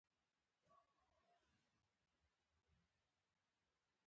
چرګان مختلف رنګونه لري.